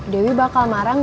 dewi bakal marah gak